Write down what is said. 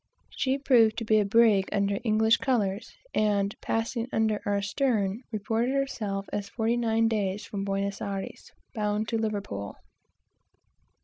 She proved to be a brig under English colors, and passing under our stern, reported herself as forty nine days from Buenos Ayres, bound to Liverpool.